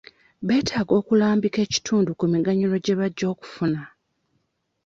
Betaaga okulambika ekitundu ku miganyulo gye bajja okufuna.